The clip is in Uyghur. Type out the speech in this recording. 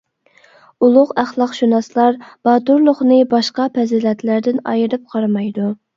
ئۇلۇغ ئەخلاقشۇناسلار باتۇرلۇقنى باشقا پەزىلەتلەردىن ئايرىپ قارىمايدۇ.